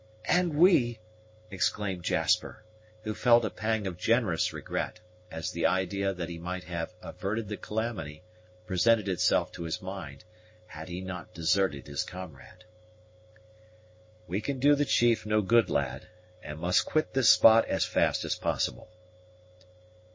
"And we!" exclaimed Jasper, who felt a pang of generous regret, as the idea that he might have averted the calamity presented itself to his mind, had he not deserted his comrade. "We can do the chief no good, lad, and must quit this spot as fast as possible."